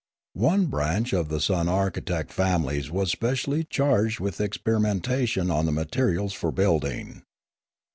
One branch of the sonarchitect families was specially charged with experimentation on the materials for building.